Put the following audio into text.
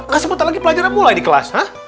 kasih minta lagi pelajaran mulai di kelas